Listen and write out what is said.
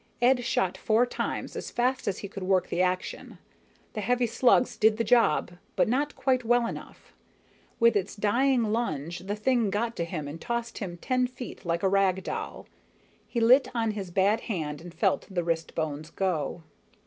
Ed shot four times, as fast as he could work the action. The heavy slugs did the job, but not quite well enough. With its dying lunge the thing got to him and tossed him ten feet like a rag doll. He lit on his bad hand and felt the wrist bones go.